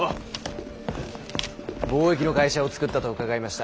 貿易の会社を作ったと伺いました。